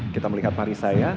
kita melihat marissa ya